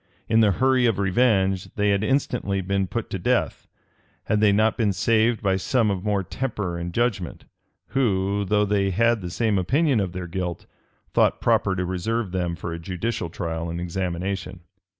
In the hurry of revenge, they had instantly been put to death, had they not been saved by some of more temper and judgment, who, though they had the same opinion of their guilt, thought proper to reserve them for a judicial trial and examination.